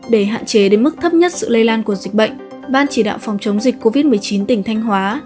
để hạn chế đến mức thấp nhất sự lây lan của dịch bệnh ban chỉ đạo phòng chống dịch covid một mươi chín tỉnh thanh hóa